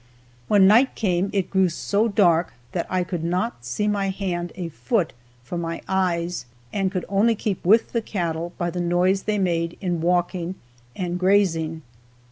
When night came it grew so dark that I could not see my hand a foot from my eyes, and could only keep with the cattle by the noise they made in walking and grazing.